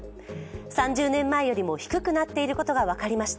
３０年前よりも低くなっていることが分かりました。